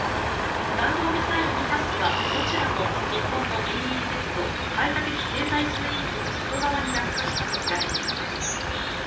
弾道ミサイル２発はどちらも日本のＥＥＺ・排他的経済水域の外側に落下したとみられています。